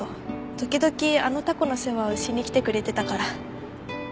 時々あのタコの世話をしに来てくれてたから。